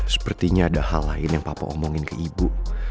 sepertinya ada hal lain yang papa omongin ke ibu